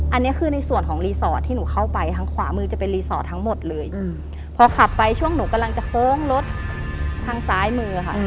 อันนี้คือในส่วนของรีสอร์ทที่หนูเข้าไปทางขวามือจะเป็นรีสอร์ททั้งหมดเลยพอขับไปช่วงหนูกำลังจะโค้งรถทางซ้ายมือค่ะ